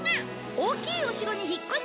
「大きいお城に引っ越したい」。